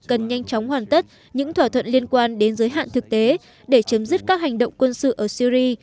cần nhanh chóng hoàn tất những thỏa thuận liên quan đến giới hạn thực tế để chấm dứt các hành động quân sự ở syri